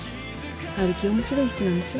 陽樹面白い人なんでしょ？